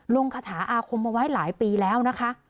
คาถาอาคมเอาไว้หลายปีแล้วนะคะ